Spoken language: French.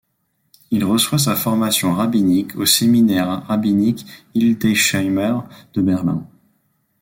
Il reçoit sa formation rabbinique au Séminaire rabbinique Hildesheimer de Berlin.